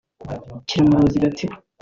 Kiramuruzi (Gatsibo)